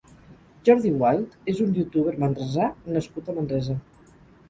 Jordi Wild és un youtuber manresà nascut a Manresa.